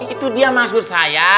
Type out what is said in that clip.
itu dia masuk saya